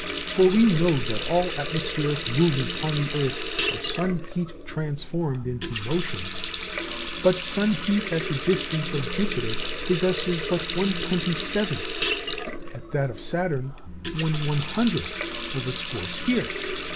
For we know that all atmospheric movements on the earth are sun heat transformed into motion. But sun heat at the distance of Jupiter possesses but 1/27, at that of Saturn 1/100 of its force here.